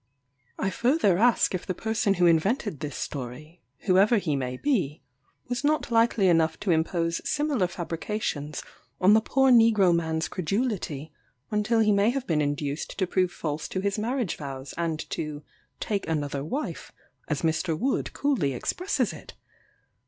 I further ask if the person who invented this story (whoever he may be,) was not likely enough to impose similar fabrications on the poor negro man's credulity, until he may have been induced to prove false to his marriage vows, and to "take another wife," as Mr. Wood coolly expresses it?